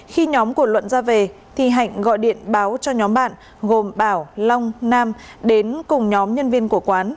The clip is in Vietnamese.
khi nhóm của luận ra về thì hạnh gọi điện báo cho nhóm bạn gồm bảo long nam đến cùng nhóm nhân viên của quán